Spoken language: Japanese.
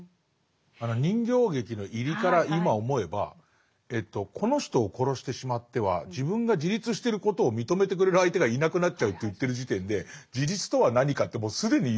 あの人形劇の入りから今思えばこの人を殺してしまっては自分が自立してることを認めてくれる相手がいなくなっちゃうって言ってる時点で自立とは何かってもう既に揺らいでますよね。